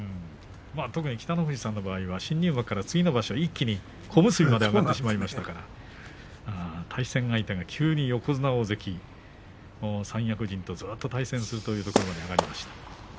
特に北の富士さんは新入幕から次の場所、一気に小結まで上がってしまいましたから対戦相手が急に横綱大関三役陣とずっと対戦するということになりました。